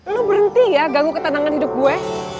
lu berhenti ya ganggu ketenangan hidup gue